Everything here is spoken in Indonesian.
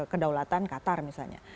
kedaulatan qatar misalnya